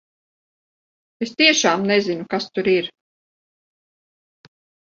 Es tiešām nezinu, kas tur ir!